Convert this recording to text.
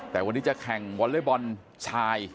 แต่วันนี้จะแข่งวอเลเบิร์นชาย